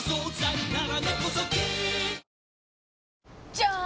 じゃーん！